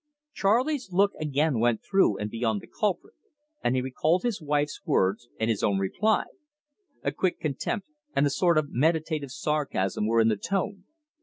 Charley's look again went through and beyond the culprit, and he recalled his wife's words and his own reply. A quick contempt and a sort of meditative sarcasm were in the tone.